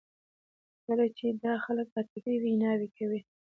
کله چې دا خلک عاطفي ویناوې کوي.